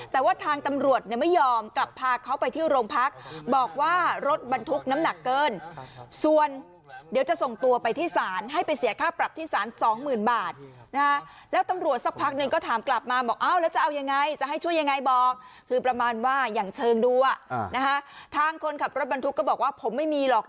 แต่ว่าทางตำรวจเนี่ยไม่ยอมกลับพาเขาไปที่โรงพักบอกว่ารถบรรทุกน้ำหนักเกินส่วนเดี๋ยวจะส่งตัวไปที่ศาลให้ไปเสียค่าปรับที่สารสองหมื่นบาทนะฮะแล้วตำรวจสักพักหนึ่งก็ถามกลับมาบอกอ้าวแล้วจะเอายังไงจะให้ช่วยยังไงบอกคือประมาณว่าอย่างเชิงดูอ่ะนะคะ